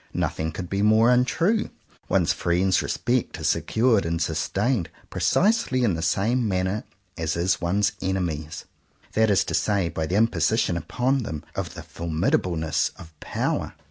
Nothing could be more untrue. One's friends' re spect is secured and sustained precisely in the same manner as is one's enemies'; that is to say by the imposition upon them of the formidableness of power.